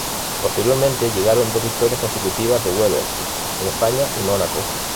Posteriormente llegaron dos victorias consecutivas de Webber, en España y Mónaco.